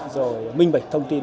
rồi minh bạch thông tin